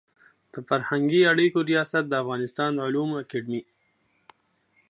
د فرهنګي اړیکو ریاست د افغانستان د علومو اکاډمي